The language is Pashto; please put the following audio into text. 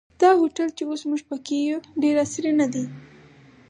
دا هوټل چې اوس موږ په کې یو ډېر عصري نه دی.